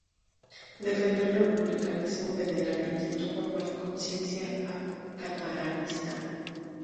Defendió el republicanismo federal e intentó formar consciencia catalanista.